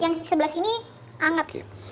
yang sebelah sini hangat